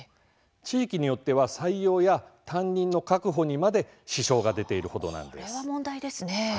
地域によっては採用や担任の確保にまでそれは問題ですね。